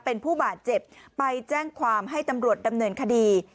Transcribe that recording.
เป็นผู้บาดเจ็บไปแจ้งความให้ตำรวจดำเนินคดี